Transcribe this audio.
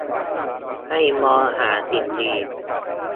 ให้มองหาสิ่งดี